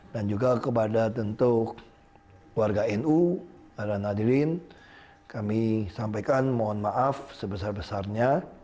dan juga kepada tentu warga nu ada nadirin kami sampaikan mohon maaf sebesar besarnya